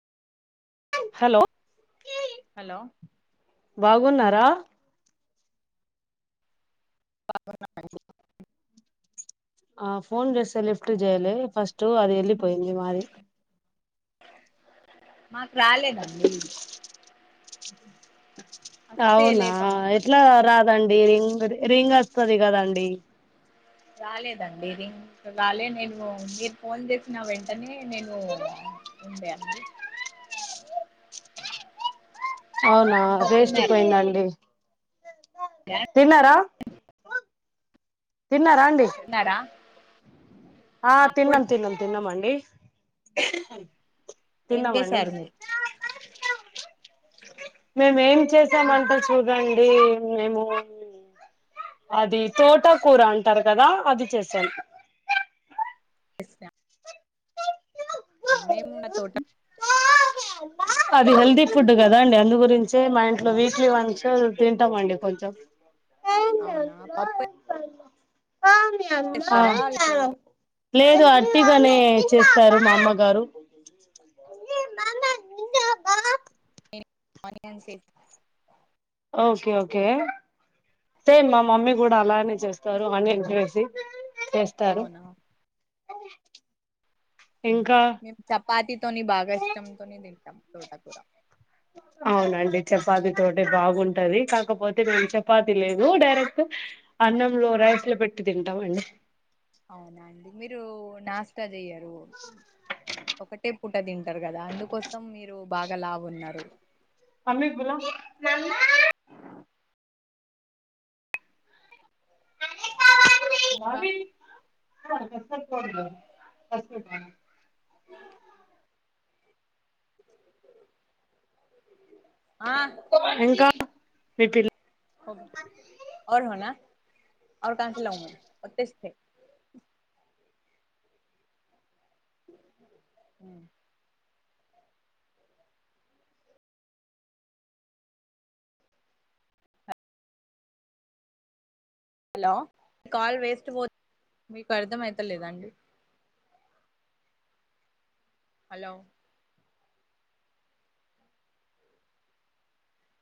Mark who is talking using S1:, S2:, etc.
S1: hello
S2: hello
S1: hello
S2: బాగున్నారండీ
S1: ఆ phone చేస్తే లిఫ్ట్ చేయాలే ఫస్ట్ అది వెళ్ళిపోయింది మాది
S2: మాకు రాలేదండి వస్తే
S1: అవునా
S2: లేపము
S1: ఎట్లా రాదండి రింగ్ రింగ్ వస్తది కదండీ
S2: రాలేదండి రింగ్ రాలే నేను మీరు ఫోన్ చేసిన వెంటనే నేను ఉండె అండి
S1: అవునా
S2: ఇంకా
S1: వేస్ట్
S2: తిన్నారా
S1: పోయిందండి తిన్నార తిన్నారా అండి
S2: తిన్నారా
S1: ఆ
S2: అప్పుడు
S1: తిన్నాం తిన్నాం తిన్నాం అండి
S2: ఏం జెశారు మీరు
S1: మేమేం చేసామంటే చూడండి మేము అది తోట కూర అంటారు కదా అది చేసాను
S2: ఎస్నా మేమున్న తోట
S1: అది హెల్దీ ఫుడ్ కదా అండి అందు గురించే మా ఇంట్లో వీక్లీ వన్స్ తింటమండి కొంచెం
S2: అవునా పప్పే
S1: ఆ లేదు అట్టిగానే చేస్తారు మామ్మగారు ఏందీ రా బావ
S2: ఆనియన్స్
S1: ఓకే ఓకే సేం మా మమ్మీ కూడా అలానే చేస్తారు ఆనియన్స్ వేసి చేస్తారు
S2: అవునా
S1: ఇంకా
S2: మేము చపాతితోని బాగా ఇష్టంతోని తింటాం తోటకూర
S1: అవునండి చపాతితోటె బాగుంటది కాకపోతే మేం చపాతి లేవు డైరె క్ట్ అన్నంలో రైస్లో పెట్టి తింటామండి
S2: అవునాండి మీరూ నాస్తా చెయ్యం రు ఒకటే పూట తింటరు కదా అందుకోసం మీరూ బాగాలావున్నరు
S1: అమ్మీక్ బులావ్
S2: ఇంకా
S1: బాబీ హెడ్సెట్
S2: మ్యావ్ ఆ
S1: ఇంకా మీ పిల్
S2: కొ కోన్ హోనా ఔర్ కహాసే లావు మె ఒ తీస్కె మ్ హలో కాల్ వేస్ట్ పోత్ మీకు అర్ధమైతలేదా అండి హలో